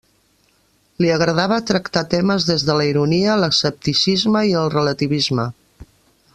Li agradava tractar temes des de la ironia, l’escepticisme i el relativisme.